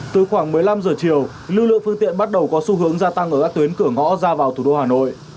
từ khoảng một mươi năm giờ chiều lưu lượng phương tiện bắt đầu có xu hướng gia tăng ở các tuyến cửa ngõ ra vào thủ đô hà nội